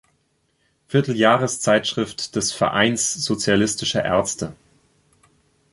Vierteljahreszeitschrift des »Vereins sozialistischer Ärzte«.